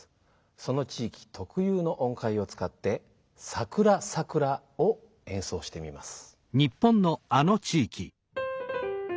その地いきとくゆうの音階をつかって「さくらさくら」を演奏してみます。